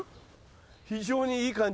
非常にいい感じ。